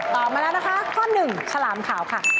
มาแล้วนะคะข้อหนึ่งฉลามขาวค่ะ